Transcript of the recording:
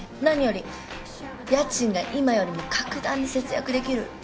何より家賃が今よりも格段に節約できる。